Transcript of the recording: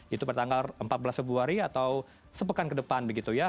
itu bertanggal empat belas februari atau sepekan ke depan begitu ya